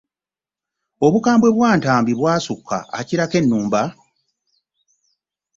Obukambwe bwa Ntambi bwasukka akirako ennumba.